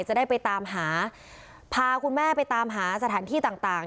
จะได้ไปหาผ่าคุณแม่ไปหาสถานที่ต่าง